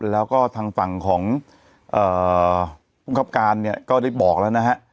แล้วก็ทางฝั่งของภูมิคับการเนี่ยก็ได้บอกแล้วนะฮะ